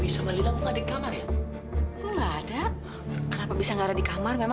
sampai jumpa di video selanjutnya